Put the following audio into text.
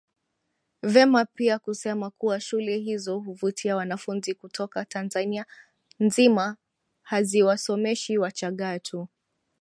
vema pia kusema kuwa shule hizo huvutia wanafunzi kutoka Tanzania nzima haziwasomeshi Wachagga tu